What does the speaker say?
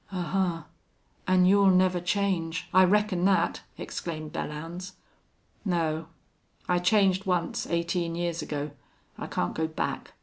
"Ahuh!... An' you'll never change I reckon that!" exclaimed Belllounds. "No. I changed once, eighteen years ago. I can't go back....